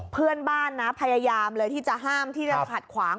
เพื่อนบ้านนะพยายามเลยที่จะห้ามที่จะขัดขวาง